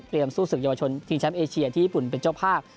พร้อมสู้ศุกร์ชุนชิงชำเอเชียที่เยี่ยปุ่นเป็นเจ้าภาค